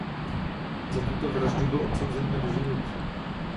Za tuto vraždu byl odsouzen na doživotí.